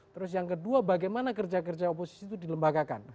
terus yang kedua bagaimana kerja kerja oposisi itu dilembagakan